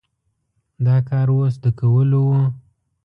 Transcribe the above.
دا کار اوس د کولو و؟